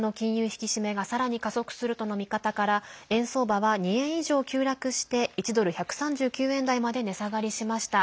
引き締めがさらに加速するとの見方から円相場は２円以上急落して１ドル＝１３９円台まで値下がりしました。